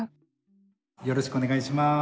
よろしくお願いします。